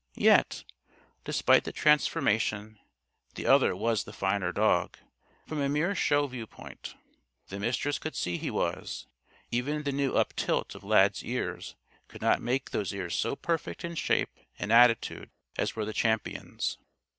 _ Yet, despite the transformation, the other was the finer dog from a mere show viewpoint. The Mistress could see he was. Even the new uptilt of Lad's ears could not make those ears so perfect in shape and attitude as were the Champion's.